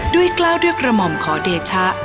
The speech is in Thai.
กล้าวด้วยกระหม่อมขอเดชะ